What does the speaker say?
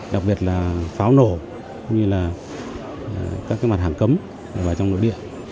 đặc biệt là pháo nổ cũng như là các mặt hàng cấm vào trong nội địa